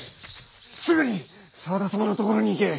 すぐに沢田様の所に行け！